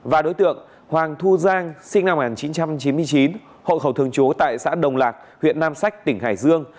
và đối tượng hoàng thu giang sinh năm một nghìn chín trăm chín mươi chín hộ khẩu thường trú tại xã đồng lạc huyện nam sách tỉnh hải dương